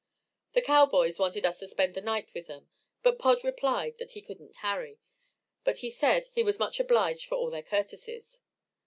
The cowboys wanted us to spend the night with them, but Pod replied that he couldn't tarry, but he said he was much obliged for all their courtesies.